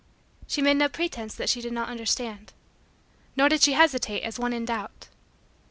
She made no pretense that she did not understand, Nor did she hesitate as one in doubt.